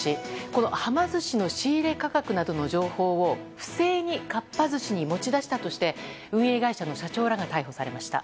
このはま寿司の仕入れ価格などの情報を不正にかっぱ寿司に持ち出したとして運営会社の社長らが逮捕されました。